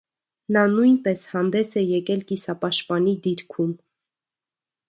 Նա նույնպես հանդես է եկել կիսապաշտպանի դիրքում։